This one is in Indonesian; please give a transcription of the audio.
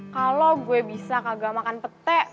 kalau gue bisa kagak makan pete